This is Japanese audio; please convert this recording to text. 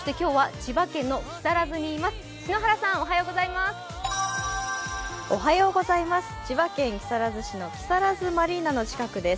千葉県木更津市の木更津マリーナの近くです。